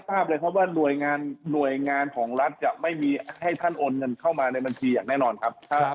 ทราบเลยครับว่าหน่วยงานหน่วยงานของรัฐจะไม่มีให้ท่านโอนเงินเข้ามาในบัญชีอย่างแน่นอนครับ